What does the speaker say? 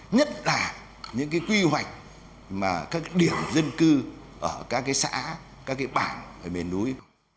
nhất là những cái quy hoạch mà các điểm dân cư ở các xã các cái bản ở miền núi